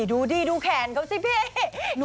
ดูดิดูแขนเขาสิพี่